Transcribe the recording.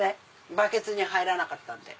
バケツに入らなかったんで。